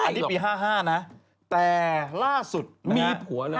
อันนี้ปี๕๕นะแต่ล่าสุดปี๖๐